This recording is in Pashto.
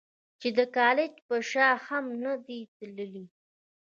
چې د کالج پۀ شا هم نۀ دي تلي -